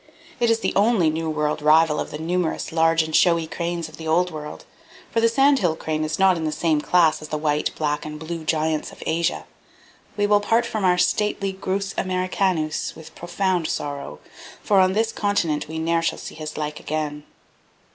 It is the only new world rival of the numerous large and showy cranes of the old world; for the sandhill crane is not in the same class as the white, black and blue giants of Asia. We will part from our stately Grus americanus with profound sorrow, for on this continent we ne'er shall see his like again.